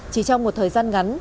chỉ trong một thời gian ngắn